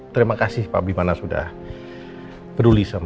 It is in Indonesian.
terima kasih pak bimana sudah peduli sama ini ya